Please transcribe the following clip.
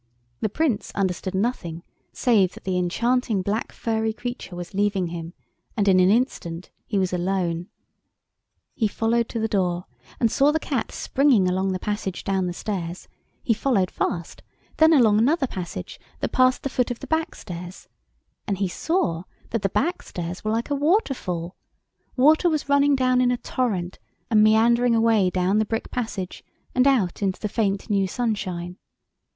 The Prince understood nothing save that the enchanting black furry creature was leaving him, and in an instant he was alone. He followed to the door, and saw the Cat springing along the passage down the stairs—he followed fast—then along another passage that passed the foot of the back stairs, and he saw that the back stairs were like a water fall—water was running down in a torrent and meandering away down the brick passage and out into the faint new sunshine.